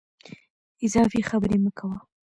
اضافي خبري مه کوه !